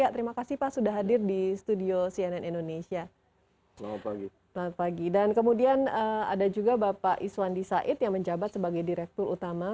terima kasih juga pak sudah hadir